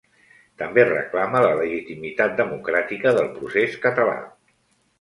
També reclama la legitimitat democràtica del procés català.